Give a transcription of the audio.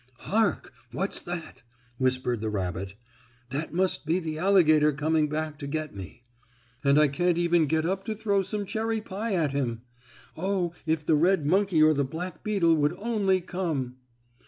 "Hark! What's that?" whispered the rabbit. "That must be the alligator coming back to get me! And I can't even get up to throw some cherry pie at him. Oh, if the red monkey or the black beetle would only come!"